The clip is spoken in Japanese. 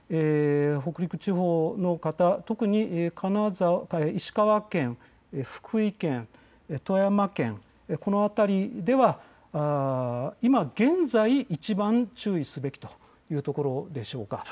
北陸地方の方、特に石川県、福井県、富山県、この辺りでは今現在、いちばん注意すべきというところでしょうか。